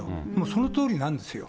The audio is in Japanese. そのとおりなんですよ。